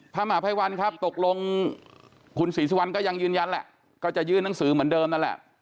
มหาภัยวันครับตกลงคุณศรีสุวรรณก็ยังยืนยันแหละก็จะยื่นหนังสือเหมือนเดิมนั่นแหละ